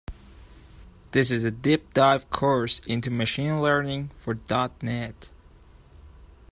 This is a deep dive course into Machine Learning for Dot Net.